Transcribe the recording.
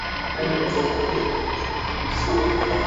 vyombo vya habari kutokuwa na fedha za kutosha kugharimia kazi zao